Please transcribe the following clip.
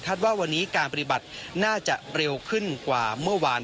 ว่าวันนี้การปฏิบัติน่าจะเร็วขึ้นกว่าเมื่อวาน